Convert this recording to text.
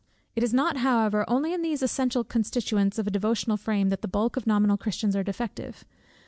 It is not however only in these essential constituents of a devotional frame that the bulk of nominal Christians are defective.